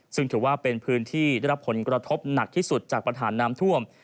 ซึ่งถือว่าเป็นพื้นที่ได้รับผลกระทบหนักที่สุดจากปัญหาน้ำท่วม